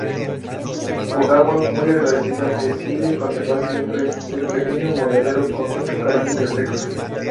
Ogawa, muy agradecida, decide conservar siempre el pequeño monedero con mucho cariño y afecto.